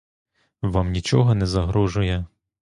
Вам нічого не загрожує.